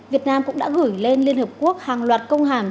việt nam cũng đã gửi lên liên hợp quốc hàng loạt công hàm